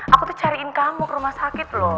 aku tuh cariin kamu ke rumah sakit loh